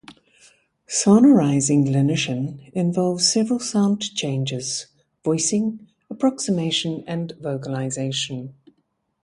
Sonorizing lenition involves several sound changes: voicing, approximation, and vocalization.